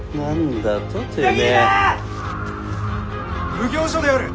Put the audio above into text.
・奉行所である！